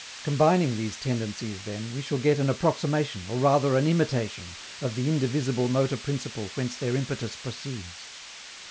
Combining these tendencies, then, we shall get an approximation, or rather an imitation, of the indivisible motor principle whence their impetus proceeds.